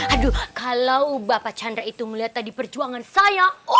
aduh kalau bapak chandra itu melihat tadi perjuangan saya